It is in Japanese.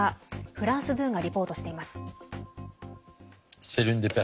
フランス２がリポートしています。